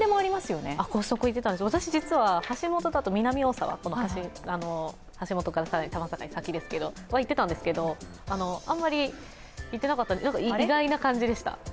私、実は橋本だと南大沢、更に多摩境は先ですが、行ってたんですけど、あまり行ってなかったので意外な感じでした。